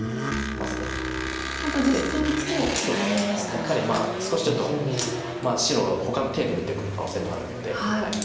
やっぱり少しちょっと白ほかの手で打ってくる可能性もあるので。